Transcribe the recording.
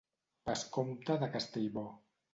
Vescomte de Castellbò.